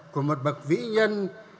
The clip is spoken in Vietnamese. của một bậc vĩ nhân